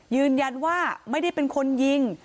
ยืนยันว่าไม่ได้เป็นคนยิง